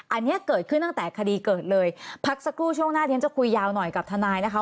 อันนี้เกิดขึ้นตั้งแต่คดีเกิดเลยพักสักครู่ช่วงหน้าที่ฉันจะคุยยาวหน่อยกับทนายนะคะ